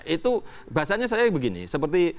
itu bahasanya saya begini seperti